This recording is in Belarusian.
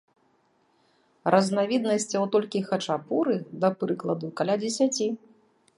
Разнавіднасцяў толькі хачапуры, да прыкладу, каля дзесяці.